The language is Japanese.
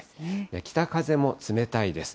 北風も冷たいです。